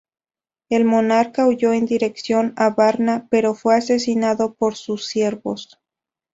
El monarca huyó en dirección a Varna, pero fue asesinado por sus siervos.